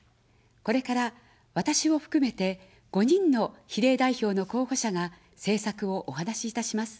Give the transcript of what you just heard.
これから、私を含めて５人の比例代表の候補者が政策をお話いたします。